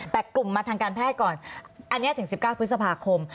แต่กลุ่มมาทางการแพทย์ก่อนอันนี้ถึง๑๙พฤษภาคม